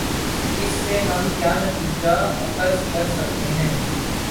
اس سے ہم کیا نتیجہ اخذ کر سکتے ہیں۔